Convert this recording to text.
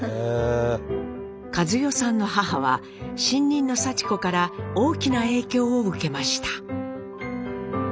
和世さんの母は新任のさち子から大きな影響を受けました。